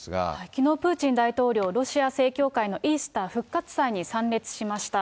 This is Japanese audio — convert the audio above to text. きのう、プーチン大統領、ロシア正教会のイースター、復活祭に参列しました。